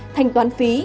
thanh toán phí